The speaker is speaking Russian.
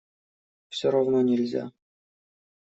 Все равно нельзя.